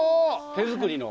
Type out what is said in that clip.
手作りの。